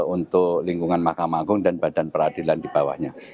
untuk lingkungan mahkamah agung dan badan peradilan di bawahnya